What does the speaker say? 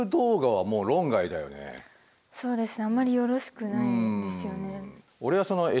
そうですね。